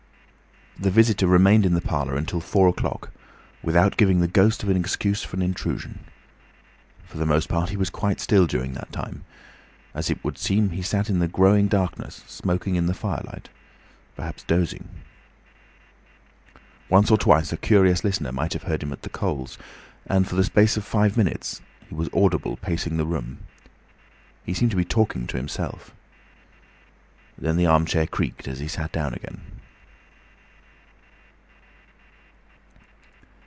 The visitor remained in the parlour until four o'clock, without giving the ghost of an excuse for an intrusion. For the most part he was quite still during that time; it would seem he sat in the growing darkness smoking in the firelight—perhaps dozing. Once or twice a curious listener might have heard him at the coals, and for the space of five minutes he was audible pacing the room. He seemed to be talking to himself. Then the armchair creaked as he sat down again.